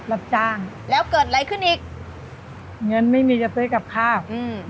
รับจ้างแล้วเกิดอะไรขึ้นอีกเงินไม่มีจะซื้อกับข้าวอืม